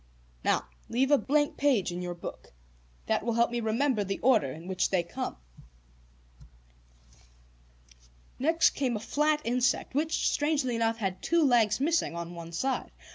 "Now leave a blank page in your book. That will help me remember the order in which they come." Next came a flat insect, which, strangely enough, had two legs missing on one side.